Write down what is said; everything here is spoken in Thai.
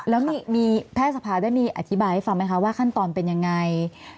แล้วมีแพทย์สภาได้มีอธิบายให้ฟังไหมคะว่าขั้นตอนเป็นยังไง